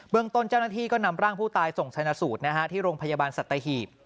ต้นเจ้าหน้าที่ก็นำร่างผู้ตายส่งชนะสูตรที่โรงพยาบาลสัตหีบ